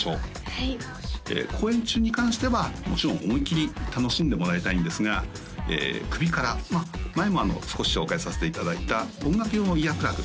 はい公演中に関してはもちろん思いっきり楽しんでもらいたいんですが首からまあ前も少し紹介させていただいた音楽用のイヤープラグ